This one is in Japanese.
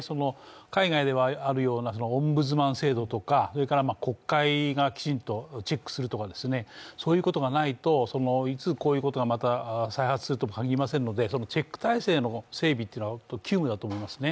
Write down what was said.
海外ではあるようなオンブズマン制度とか、それから国会がきちんとチェックするとか、そういうことがないと、いつこういうことがまた再発するかかぎりませんのでチェック体制の整備は急務だと思いますね。